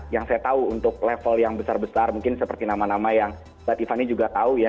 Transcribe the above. yang saya tahu untuk level yang besar besar mungkin seperti nama nama yang mbak tiffany juga tahu ya